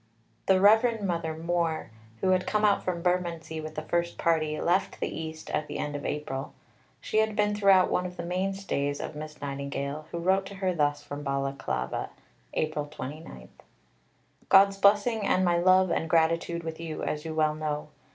The Reverend Mother (Moore), who had come out from Bermondsey with the first party, left the East at the end of April. She had been throughout one of the mainstays of Miss Nightingale, who wrote to her thus from Balaclava (April 29): "God's blessing and my love and gratitude with you, as you well know.